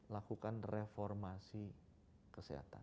lakukan reformasi kesehatan